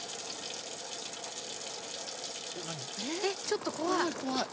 ちょっと怖い。